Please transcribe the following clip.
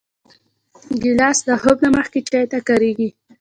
ګیلاس د خوب نه مخکې چای ته کارېږي.